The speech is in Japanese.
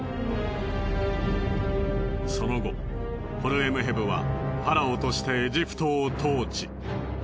その後ホルエムヘブはファラオとしてエジプトを統治。